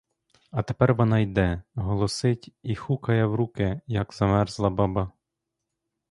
А тепер вона йде, голосить і хукає в руки, як замерзла баба.